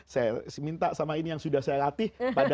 saya minta sama ini yang sudah saya latih pada pisang tadi